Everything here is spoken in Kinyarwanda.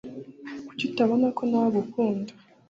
Kuki utabona ko nawe agukunda